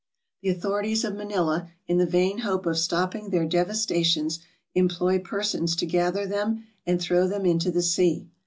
The authorities of Manila, in the vain hope of stopping their devastations, employ persons to gather them and throw them into the sea.